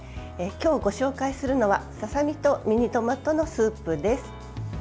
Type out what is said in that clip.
今日、ご紹介するのはささ身とミニトマトのスープです。